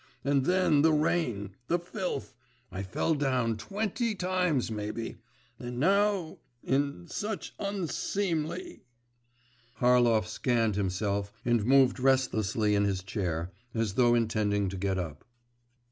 And then the rain, the filth … I fell down twenty times, maybe! And now … in such unseemly.…' Harlov scanned himself and moved restlessly in his chair, as though intending to get up.